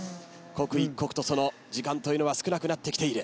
刻一刻とその時間は少なくなってきている。